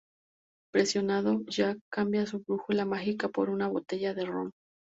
Presionado, Jack cambia su brújula mágica por una botella de Ron.